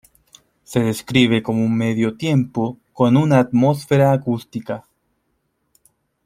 Se describe como un medio tiempo con una atmósfera acústica.